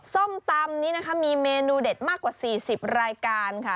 ส้มตำนี้นะคะมีเมนูเด็ดมากกว่า๔๐รายการค่ะ